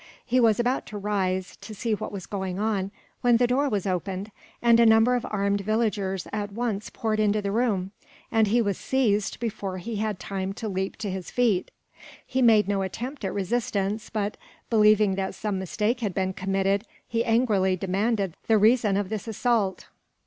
He was about to rise, to see what was going on; when the door was opened, and a number of armed villagers at once poured into the room, and he was seized before he had time to leap to his feet. He made no attempt at resistance but, believing that some mistake had been committed, he angrily demanded the reason of this assault.